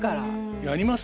やります？